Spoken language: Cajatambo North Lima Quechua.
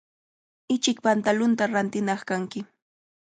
Ichik pantalunta rantinaq kanki.